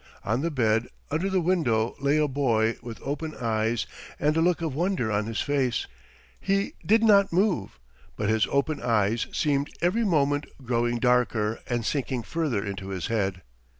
On the bed under the window lay a boy with open eyes and a look of wonder on his face. He did not move, but his open eyes seemed every moment growing darker and sinking further into his head.